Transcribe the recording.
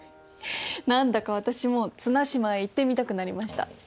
何だか私も綱島へ行ってみたくなりました。